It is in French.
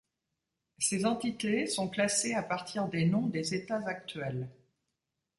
Ces entités sont classées à partir des noms des États actuels.